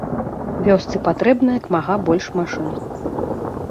Вёсцы патрэбна як мага больш машын.